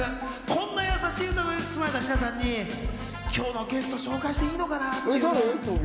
こんなやさしい歌声に包まれた皆さんに今日のゲストを紹介していいのかな？